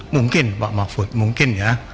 mungkin pak mahfud mungkin ya